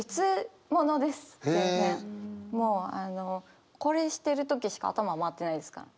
もうあのこれしてる時しか頭回ってないですから。